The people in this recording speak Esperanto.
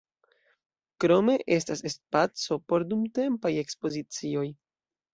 Krome estas spaco por dumtempaj ekspozicioj.